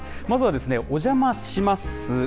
まずは、おじゃまします